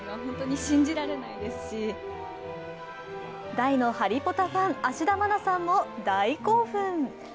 大のハリポタファン、芦田愛菜さんも大興奮。